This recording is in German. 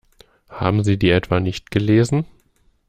Haben Sie die etwa nicht gelesen?